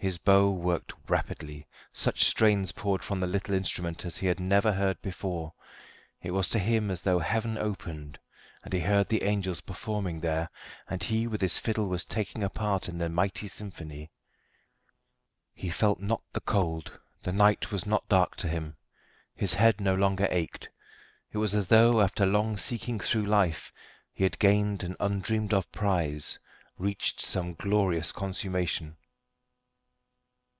His bow worked rapidly, such strains poured from the little instrument as he had never heard before. It was to him as though heaven opened, and he heard the angels performing there, and he with his fiddle was taking a part in the mighty symphony. He felt not the cold, the night was not dark to him. His head no longer ached. It was as though after long seeking through life he had gained an undreamed of prize, reached some glorious consummation.